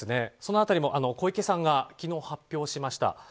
その辺りも小池さんが昨日発表しました。